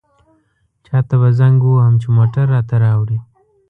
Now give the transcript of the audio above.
چاته به زنګ ووهم چې موټر راته راوړي.